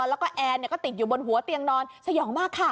แล้วก็แอร์ก็ติดอยู่บนหัวเตียงนอนสยองมากค่ะ